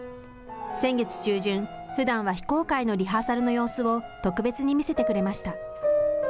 先月中旬、ふだんは非公開のリハーサルの様子を、特別に見せてくれました。